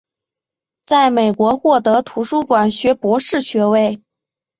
在美国获得图书馆学博士学位。